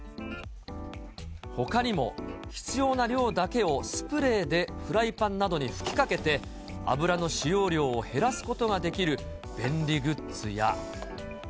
ほかにも、必要な量だけをスプレーでフライパンなどに吹きかけて、油の使用量を減らすことができる便利グッズや。